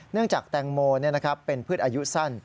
เนื่องจากแตงโมร์เป็นพืชอายุสั้น